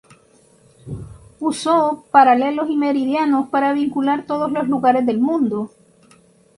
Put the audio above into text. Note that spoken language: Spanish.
Usó paralelos y meridianos para vincular todos los lugares del mundo.